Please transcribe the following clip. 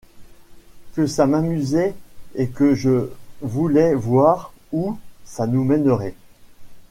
Que ça m’amusait et que je voulais voir où ça nous mènerait.